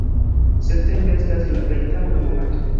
Septembro estas la plej taŭga monato.